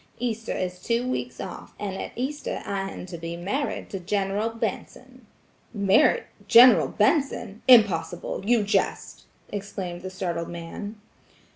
Easter is two weeks off, and at Easter I am to be married to General Benson." "Married–General Benson! Impossible! You jest!" exclaimed the startled man.